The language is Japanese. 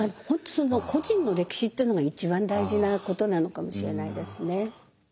本当個人の歴史っていうのが一番大事なことなのかもしれないですね。